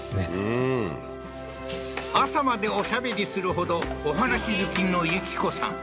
うん朝までおしゃべりするほどお話好きの順子さん